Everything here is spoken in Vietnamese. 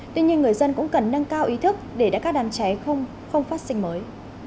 tuy nhiên người dân cũng cần nâng cao ý thức để các đàm cháy không phát sinh mới